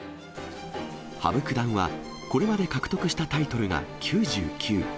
羽生九段は、これまで獲得したタイトルが９９。